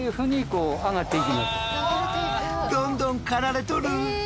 どんどん刈られとる。